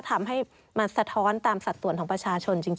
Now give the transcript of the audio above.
ทำให้มันสะท้อนตามสัดส่วนของประชาชนจริง